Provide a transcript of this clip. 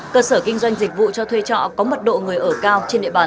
cơ sở kinh doanh dịch vụ cho thuê trọ có mật độ người ở cao